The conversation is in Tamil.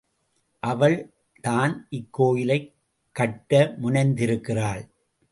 அவள்தான் இக்கோயிலைக் கட்ட முனைந்திருக்கிறாள்.